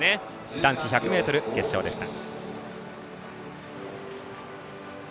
男子１００ｍ決勝でした。